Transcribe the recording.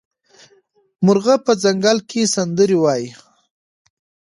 مرغه په ځنګل کې سندرې وايي.